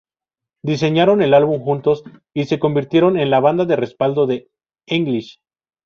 Diseñaron el álbum juntos y se convirtieron en la banda de respaldo de English.